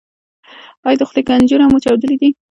ایا د خولې کنجونه مو چاودلي دي؟